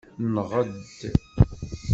Nɣed.